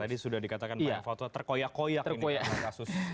tadi sudah dikatakan pak ayam foto terkoyak koyak ini